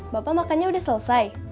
bapak makannya udah selesai